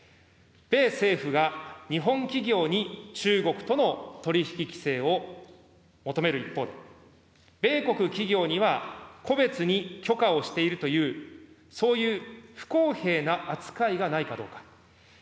米政府が日本企業に中国との取り引き規制を求める一方で、米国企業には個別に許可をしているという、そういう不公平な扱いがないかどうか。